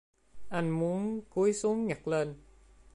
Anh muốn cúi xuống nhặt lên